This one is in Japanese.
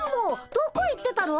どこ行ってたの？